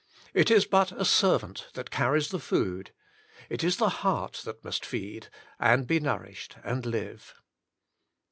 It is but a servant that carries the food; it is the heart that must feed, and be nourished and live.